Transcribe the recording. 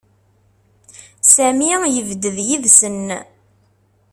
Sami yebded yid-sen.